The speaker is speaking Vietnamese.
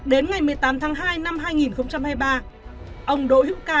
đến ngày một mươi tám tháng hai năm hai nghìn hai mươi ba ông đỗ hữu ca